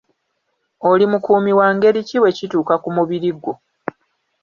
Oli mukuumi wa ngeri ki bwe kituuka ku mubiri gwo?